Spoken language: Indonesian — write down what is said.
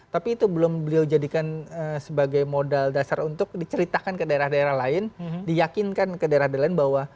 tapi itu belum beliau jadikan sebagai modal dasar untuk diceritakan ke daerah daerah lain diyakinkan ke daerah daerah lain bahwa